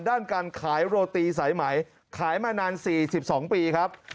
ด้านการขายโรตีสายไหมขายมานาน๔๒ปีครับ